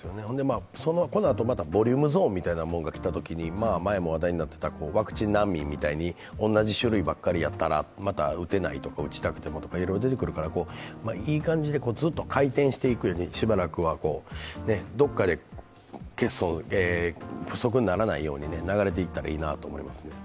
このあとまたボリュームゾーンみたいなものが来たときに前も話題になっていたワクチン難民みたいに同じ種類ばっかりやったらまた打てないとか、打ちたくてもとか、いろいろ出てくるからいい感じでずっと回転していってしばらくはどこかで不足にならないように流れていったらいいなと思いますね。